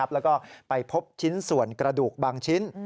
แล้วก็ไปพบชิ้นส่วนกระดูกบางชิ้น